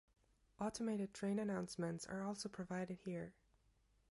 Automated train announcements are also provided here.